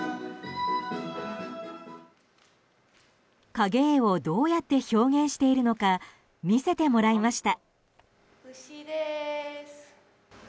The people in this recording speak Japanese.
影絵をどうやって表現しているのか見せてもらいました。